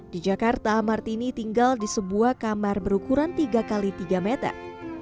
di jakarta martini tinggal di sebuah kamar berukuran tiga x tiga meter